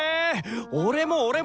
俺も俺も！